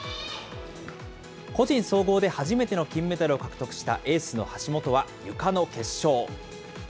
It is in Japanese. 個人総合で初めての金メダルを獲得したエースの橋本はゆかの決勝。